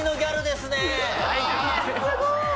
すごい！